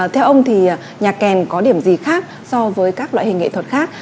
theo ông thì nhà kèn có điểm gì khác so với các loại hình nghệ thuật khác